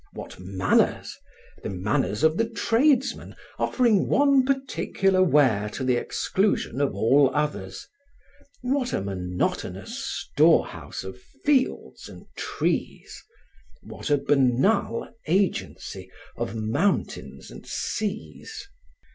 What manners! the manners of the tradesman offering one particular ware to the exclusion of all others. What a monotonous storehouse of fields and trees! What a banal agency of mountains and seas!